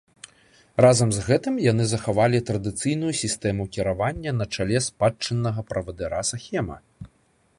Разам з гэтым, яны захавалі традыцыйную сістэму кіравання на чале спадчыннага правадыра-сахема.